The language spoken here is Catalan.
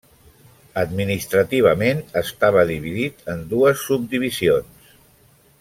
Administrativament estava dividit en dues subdivisions.